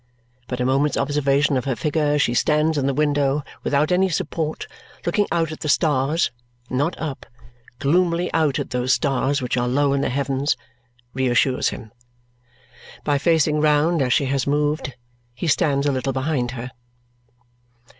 But a moment's observation of her figure as she stands in the window without any support, looking out at the stars not up gloomily out at those stars which are low in the heavens, reassures him. By facing round as she has moved, he stands a little behind her.